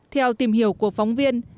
theo tìm hiểu của phóng viên